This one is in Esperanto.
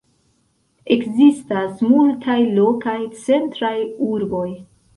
Ekzistas multaj lokaj centraj urboj.